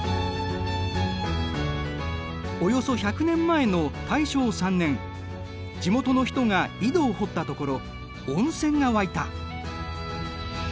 およそ１００年前の大正３年地元の人が井戸を掘ったところ温泉が湧いた。